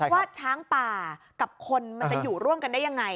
ว่าช้างป่ากับคนมันจะอยู่ร่วมกันได้ยังไง